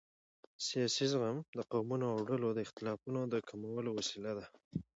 سیاسي زغم د قومونو او ډلو د اختلافاتو د کمولو وسیله ده